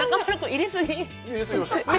入れ過ぎました。